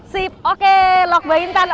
sip oke lok bain tan